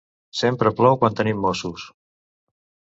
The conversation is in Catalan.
Sempre plou quan tenim mossos.